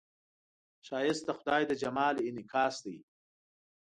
ښایست د خدای د جمال انعکاس دی